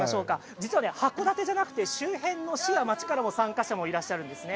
実は函館じゃなくて周辺の市や町からの参加者もいらっしゃるんですね。